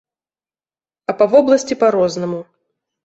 А па вобласці па-рознаму.